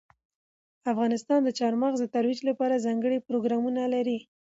افغانستان د چار مغز د ترویج لپاره ځانګړي پروګرامونه لري.